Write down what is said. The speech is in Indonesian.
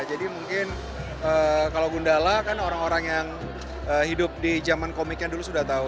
jadi mungkin kalau gundala kan orang orang yang hidup di jaman komiknya dulu sudah tahu